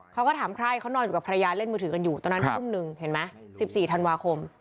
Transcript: เขาก็ถามใครเขานอนอยู่กับภรรยาเล่นมือถือกันอยู่ตอนนั้นทุ่มหนึ่งเห็นไหม๑๔ธันวาคม